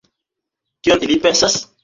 Kion ili pensas?